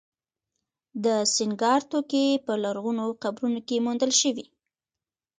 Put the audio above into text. د سینګار توکي په لرغونو قبرونو کې موندل شوي